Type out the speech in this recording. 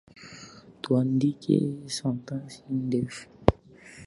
Tuandike sentensi ndefu.